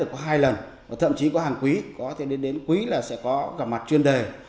có hai lần thậm chí có hàng quý có thể đến quý là sẽ có cả mặt chuyên đề